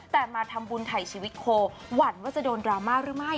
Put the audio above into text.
แต่มาทำบุญถ่ายชีวิตโคหวั่นว่าจะโดนดราม่าหรือไม่